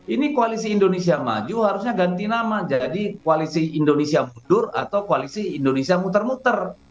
ini koalisi indonesia maju harusnya ganti nama jadi koalisi indonesia mundur atau koalisi indonesia muter muter